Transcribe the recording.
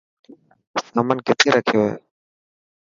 سامان ڪٿي رکيو هي.